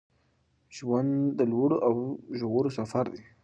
ژوند د لوړو او ژورو سفر دی